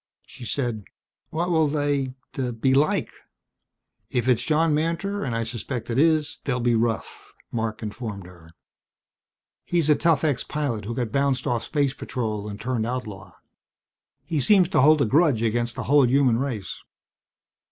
She said, "What will they be like?" "If it's John Mantor, and I suspect it is, they'll be rough," Marc informed her. "He's a tough ex pilot who got bounced off Space Patrol and turned outlaw. He seems to hold a grudge against the whole human race.